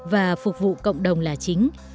và phục vụ cộng đồng là chính